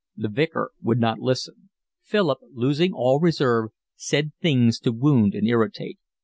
The Vicar would not listen. Philip, losing all reserve, said things to wound and irritate.